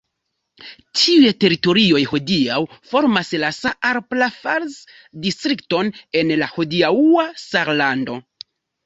Tiuj teritorioj hodiaŭ formas la Saarpfalz-distrikton en la hodiaŭa Sarlando.